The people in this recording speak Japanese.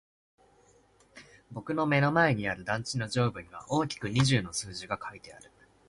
僕の目の前にある団地の上部には大きく二十の数字が書いてある。